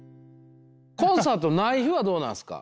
コンサートない日はどうなんすか？